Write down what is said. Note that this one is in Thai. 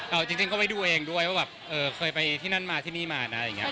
เอาจริงก็ไปดูเองด้วยว่าแบบเคยไปที่นั่นมาที่นี่มานะอะไรอย่างนี้